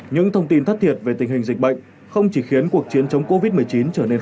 những thông tin thất thiệt về tình hình dịch bệnh không chỉ khiến cuộc chiến chống covid một mươi chín trở nên